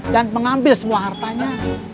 dan mengambil semua hartanya